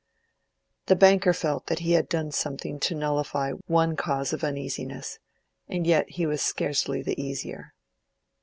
The banker felt that he had done something to nullify one cause of uneasiness, and yet he was scarcely the easier.